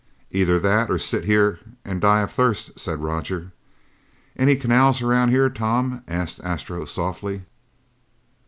"Either that or sit here and die of thirst," said Roger. "Any canals around here, Tom?" asked Astro softly.